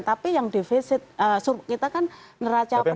tapi yang defisit kita kan neraca perdagangan